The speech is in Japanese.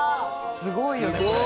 「すごいよねこれ」